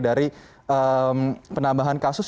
dari penambahan kasus